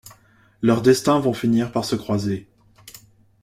Leurs destins vont finir par se croiser.